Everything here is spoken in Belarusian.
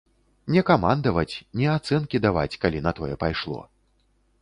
Не камандаваць, не ацэнкі даваць, калі на тое пайшло.